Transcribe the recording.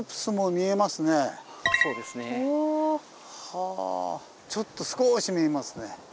はあちょっと少し見えますね。